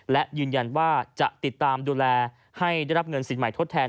และยืนยันว่าจะติดตามดูแลให้ได้รับเงินสินใหม่ทดแทน